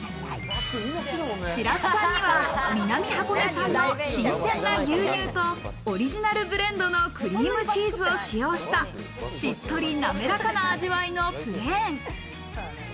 白洲さんには南箱根産の新鮮な牛乳とオリジナルブレンドのクリームチーズを使用したしっとりなめらかな味わいのプレーン。